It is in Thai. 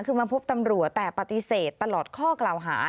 คือมาพบตำรวจแต่ปฏิเสธตลอดข้อกล่าวหา